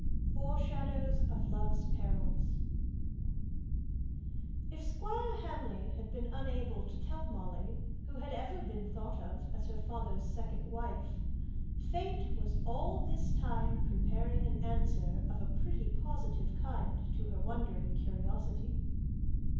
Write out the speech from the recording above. FORESHADOWS OF LOVE PERILS. [Illustration (untitled)] If Squire Hamley had been unable to tell Molly who had ever been thought of as her father's second wife, fate was all this time preparing an answer of a pretty positive kind to her wondering curiosity.